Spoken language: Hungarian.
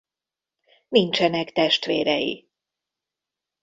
Nincsenek testvérei.